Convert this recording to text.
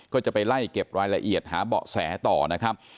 ก็จะไปไล่เก็บรายละเอียดหาเบาะแสต่อนะครับ